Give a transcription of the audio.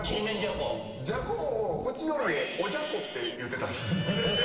じゃこをうちの家おじゃこって言ってたんすよ。